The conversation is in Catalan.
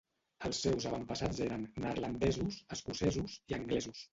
Els seus avantpassats eren neerlandesos, escocesos i anglesos.